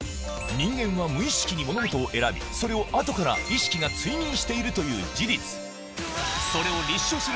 人間は無意識に物事を選びそれを後から意識が追認しているという事実それを立証する